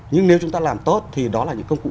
nhưng nếu chúng ta làm tốt thì đó là những công cụ